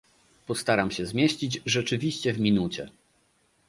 Postaram się zmieścić rzeczywiście w minucie